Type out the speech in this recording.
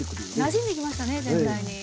なじんできましたね全体に。